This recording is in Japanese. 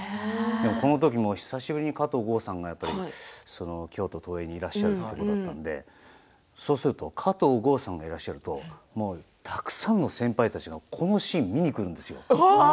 このときも久しぶりに加藤剛さんが京都東映にいらっしゃるということでそうすると、加藤剛さんがいらっしゃるとたくさんの先輩たちがこのシーンを見に来るんですよ。